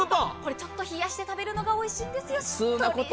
ちょっと冷やして食べるのがおいしいんです。